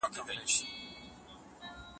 په انګلستان کي هم کله کله داسې پېښېږي.